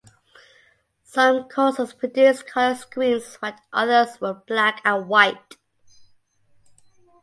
Some consoles produced colored screens while others were black and white.